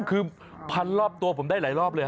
คือพันรอบตัวผมได้หลายรอบเลย